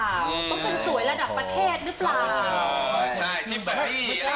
ต้องเป็นสวยระดับประเทศหรือเปล่า